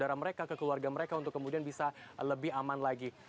agar mereka untuk kemudian bisa lebih aman lagi